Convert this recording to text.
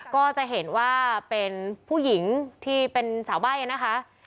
ก็จะเหนียว่าเป็นผู้หญิงที่เป็นการทดสอบเหรอคะ